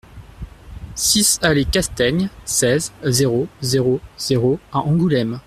six allée Castaigne, seize, zéro zéro zéro à Angoulême